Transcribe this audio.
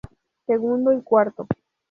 Segundo y cuarto.